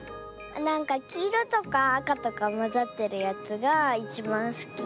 なんかきいろとかあかとかまざってるやつがいちばんすき。